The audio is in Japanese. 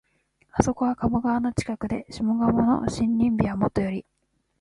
あそこは鴨川の近くで、下鴨の森林美はもとより、